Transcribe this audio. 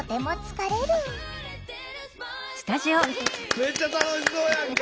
めっちゃ楽しそうやんか。